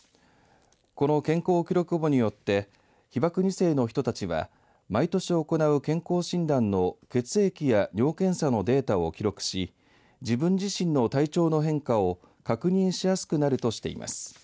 この健康記録簿によって被爆２世の人たちは毎年行う健康診断の血液や尿検査のデータを記録し自分自身の体調の変化を確認しやすくなるとしています。